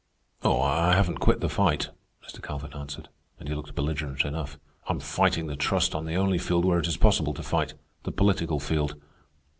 "Oh, I haven't quit the fight," Mr. Calvin answered, and he looked belligerent enough. "I'm fighting the Trust on the only field where it is possible to fight—the political field.